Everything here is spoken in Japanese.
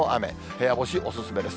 部屋干しお勧めです。